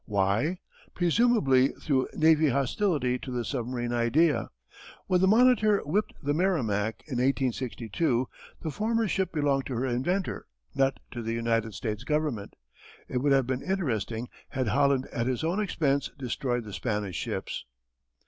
Why? Presumably through navy hostility to the submarine idea. When the Monitor whipped the Merrimac in 1862 the former ship belonged to her inventor, not to the United States Government. It would have been interesting had Holland at his own expense destroyed the Spanish ships.